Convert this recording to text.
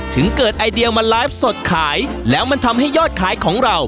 ถึงเกิดไอเดียมาไลฟ์สดขายแล้วมันทำให้ยอดขายของเรา